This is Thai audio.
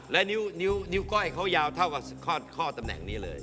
และนิ้วก้อยเขายาวเท่ากับข้อตำแหน่งนี้เลย